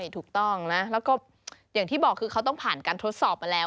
ถูกต้องนะแล้วก็อย่างที่บอกคือเขาต้องผ่านการทดสอบมาแล้ว